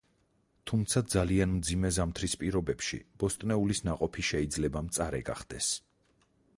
თუმცა ძალიან მძიმე ზამთრის პირობებში ბოსტნეულის ნაყოფი შეიძლება მწარე გახდეს.